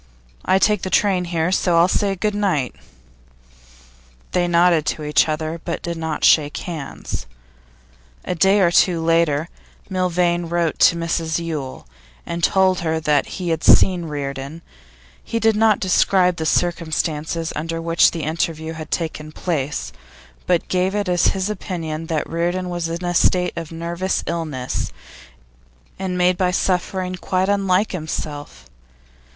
I take the train here, so I'll say good night.' They nodded to each other, but did not shake hands. A day or two later, Milvain wrote to Mrs Yule, and told her that he had seen Reardon; he did not describe the circumstances under which the interview had taken place, but gave it as his opinion that Reardon was in a state of nervous illness, and made by suffering quite unlike himself.